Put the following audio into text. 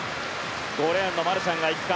５レーンのマルシャンが行くか。